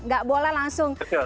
gak boleh langsung